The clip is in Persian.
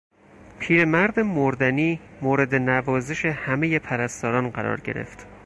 پیرمرد مردنی مورد نوازش همهی پرستاران قرار گرفت.